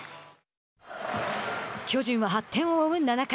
巨人は８点を追う７回。